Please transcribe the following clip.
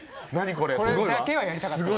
これだけはやりたかったの。